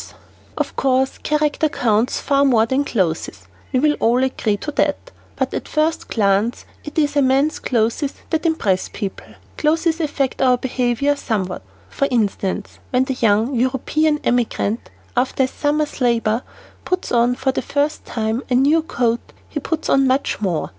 [Illustration: NOS. 91 and 92] Of course, character counts far more than clothes, we will all agree to that, but at first glance it is a man's clothes that impress people. Clothes affect our behavior somewhat. For instance, "When the young European emigrant, after a summer's labor puts on for the first time a new coat, he puts on much more.